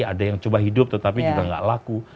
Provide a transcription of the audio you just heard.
ada yang coba hidup tetapi juga nggak laku